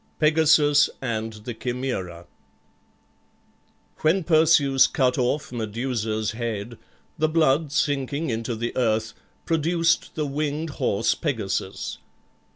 PEGASUS AND THE CHIMAERA When Perseus cut off Medusa's head, the blood sinking into the earth produced the winged horse Pegasus.